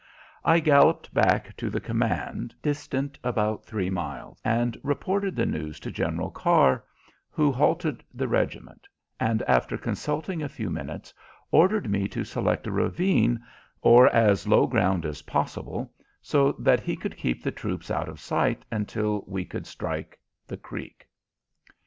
I galloped back to the command, distant about three miles, and reported the news to General Carr, who halted the regiment, and after consulting a few minutes, ordered me to select a ravine, or as low ground as possible, so that he could keep the troops out of sight until we could strike the creek.